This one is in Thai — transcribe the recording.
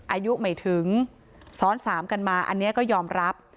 อายุไม่ถึงซ้อนสามกันมาอันนี้ก็ยอมรับ